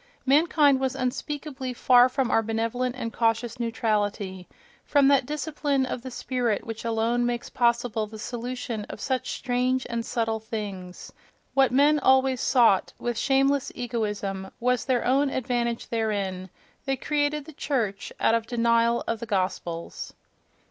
Mankind was unspeakably far from our benevolent and cautious neutrality, from that discipline of the spirit which alone makes possible the solution of such strange and subtle things: what men always sought, with shameless egoism, was their own advantage therein; they created the church out of denial of the Gospels....